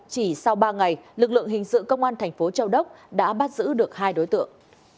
chỉ sau ba ngày lực lượng hình sự công an thành phố châu đốc đã bắt giữ được hai đối tượng